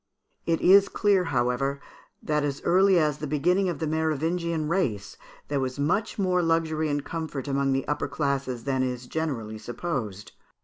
It is clear, however, that as early as the beginning of the Merovingian race, there was much more luxury and comfort among the upper classes than is generally supposed.